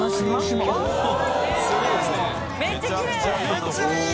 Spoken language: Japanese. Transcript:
めっちゃきれい！